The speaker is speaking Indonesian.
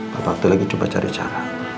pak bakti lagi coba cari cara